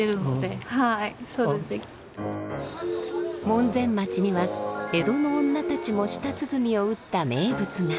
門前町には江戸の女たちも舌鼓を打った名物が。